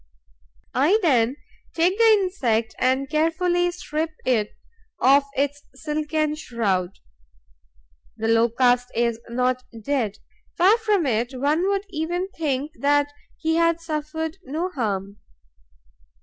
I then take the insect and carefully strip it of its silken shroud. The Locust is not dead, far from it; one would even think that he had suffered no harm.